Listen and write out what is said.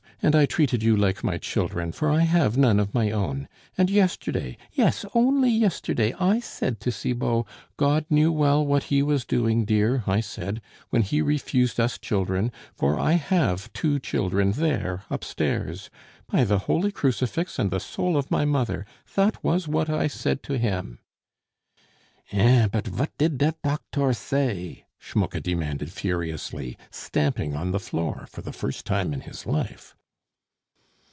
And I treated you like my children, for I have none of my own; and yesterday, yes, only yesterday I said to Cibot, 'God knew well what He was doing, dear,' I said, 'when He refused us children, for I have two children there upstairs.' By the holy crucifix and the soul of my mother, that was what I said to him " "Eh! but vat did der doctor say?" Schmucke demanded furiously, stamping on the floor for the first time in his life.